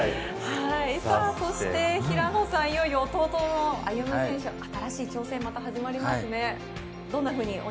平野さん、いよいよ弟の歩夢選手の新しい挑戦が始まりますね。